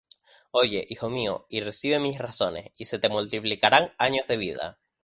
Oye, hijo mío, y recibe mis razones; Y se te multiplicarán años de vida.